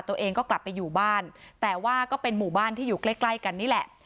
ตัวเองก็กลับไปอยู่บ้านแต่ว่าก็เป็นหมู่บ้านที่อยู่ใกล้ใกล้กันนี่แหละ